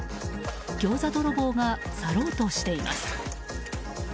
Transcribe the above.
ギョーザ泥棒が去ろうとしています。